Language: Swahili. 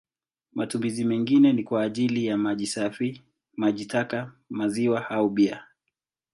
Matumizi mengine ni kwa ajili ya maji safi, maji taka, maziwa au bia.